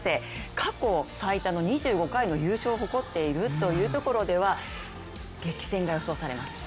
過去最多の２５回優勝を誇っているというところでは激戦が予想されます。